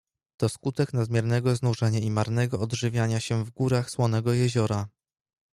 "To skutek nadmiernego znużenia i marnego odżywiania się w górach Słonego Jeziora."